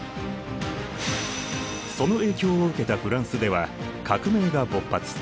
その影響を受けたフランスでは革命が勃発。